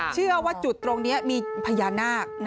เชื่อว่าจุดตรงนี้มีพญานาค